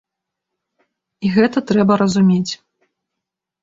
І гэта трэба разумець.